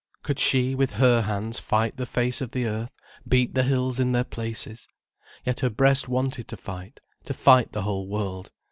Could she with her hands fight the face of the earth, beat the hills in their places? Yet her breast wanted to fight, to fight the whole world.